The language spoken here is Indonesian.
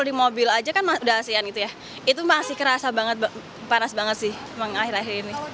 di mobil aja kan udah asean gitu ya itu masih kerasa banget panas banget sih emang akhir akhir ini